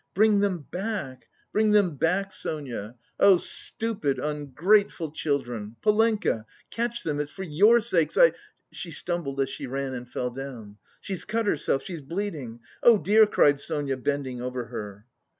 "Bring them back, bring them back, Sonia! Oh stupid, ungrateful children!... Polenka! catch them.... It's for your sakes I..." She stumbled as she ran and fell down. "She's cut herself, she's bleeding! Oh, dear!" cried Sonia, bending over her.